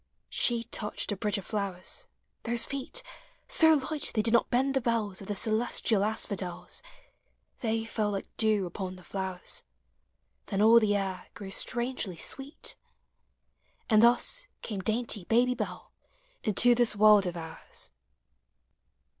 She touched a bridge of Uowers— those feet, So light they did not bend the bells Of the celestial asphodels, They fell like dew upon the flowers : Then all the air grew strangely sweet. And thus came dainty Baby Bell Into this world of ours.